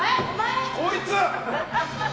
こいつ！